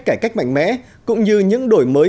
cải cách mạnh mẽ cũng như những đổi mới